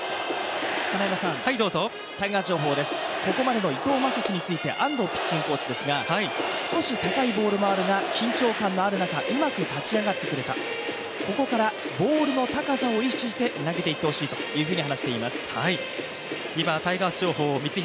タイガース情報です、ここまでの伊藤将司について、安藤ピッチングコーチですが少し高いボールもあるが、緊張感のある中うまく立ち上がってくれた、ここからボールの高さを意識して投げていってほしいというふうに話しています。